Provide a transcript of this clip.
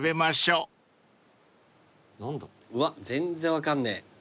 うわ全然分かんねえ。